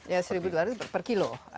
ya rp satu dua ratus per kilo